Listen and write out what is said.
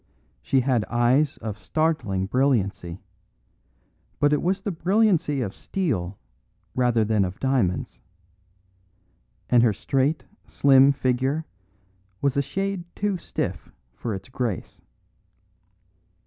She had eyes of startling brilliancy, but it was the brilliancy of steel rather than of diamonds; and her straight, slim figure was a shade too stiff for its grace.